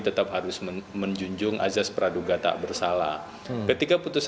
setelah jadwal berikut